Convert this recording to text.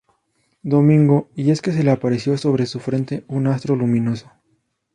Domingo, y es que se le apareció sobre su frente un astro luminoso.